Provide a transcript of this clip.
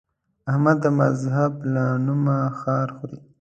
احمد د مذهب له نومه خار خوري.